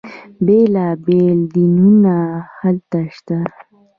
بیلا بیل دینونه هلته شته.